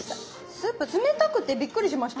スープ冷たくてびっくりしました。